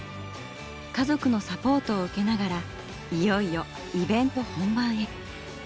家族のサポートを受けながらいよいよイベント本番へ。